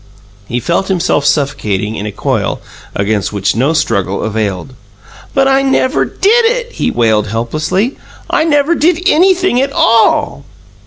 He felt himself suffocating in a coil against which no struggle availed. "But I never DID it!" he wailed, helplessly. "I never did anything at all!"